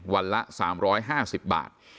วันละ๓๕๐บาท